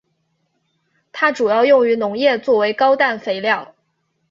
它主要用于农业作为高氮肥料。